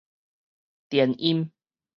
電音